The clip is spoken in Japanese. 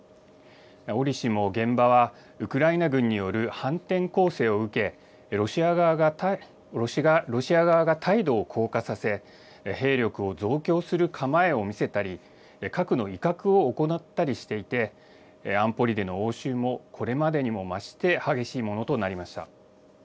折しも現場はウクライナ軍による反転攻勢を受け、ロシア側が態度を硬化させ、兵力を増強する構えを見せたり、核の威嚇を行ったりしていて、安保理での応酬も、これまでにも増して激しいものとなりました。